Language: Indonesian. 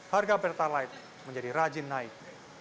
harga pertalite menjadi rajin naik